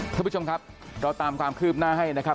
ท่านผู้ชมครับเราตามความคืบหน้าให้นะครับ